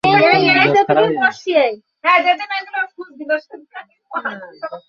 প্রথম বিশ্বযুদ্ধে সর্বাধিক উন্নত ডিপ সার্কেল তৈরি করা হয়েছিল।